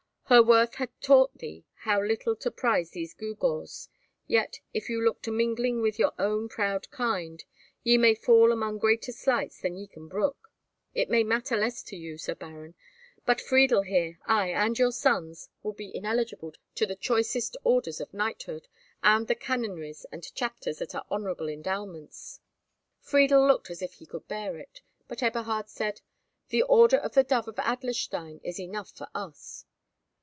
"Her worth hath taught thee how little to prize these gewgaws! Yet, if you look to mingling with your own proud kind, ye may fall among greater slights than ye can brook. It may matter less to you, Sir Baron, but Friedel here, ay, and your sons, will be ineligible to the choicest orders of knighthood, and the canonries and chapters that are honourable endowments." Friedel looked as if he could bear it, and Eberhard said, "The order of the Dove of Adlerstein is enough for us."